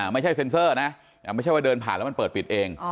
ไม่ใช่เซ็นเซอร์นะไม่ใช่ว่าเดินผ่านแล้วมันเปิดปิดเอง